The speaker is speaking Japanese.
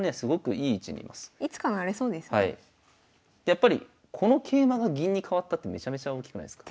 でやっぱりこの桂馬が銀に換わったってめちゃめちゃ大きくないすか？